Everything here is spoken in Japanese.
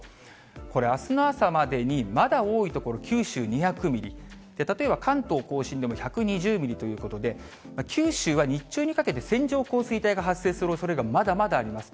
これ、あすの朝までにまだ多い所、九州２００ミリ、例えば関東甲信でも１２０ミリということで、九州は日中にかけて、線状降水帯が発生するおそれが、まだまだあります。